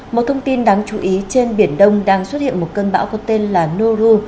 một thông tin đáng chú ý trên biển đông đang xuất hiện một cơn bão có tên là noru